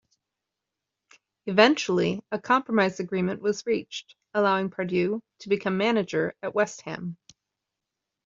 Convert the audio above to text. Eventually, a compromise agreement was reached, allowing Pardew to become manager at West Ham.